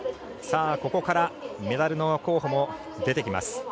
ここから、メダルの候補も出てきます。